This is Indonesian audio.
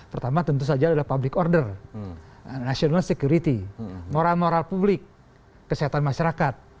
pertama tentu saja adalah public order national security moral moral publik kesehatan masyarakat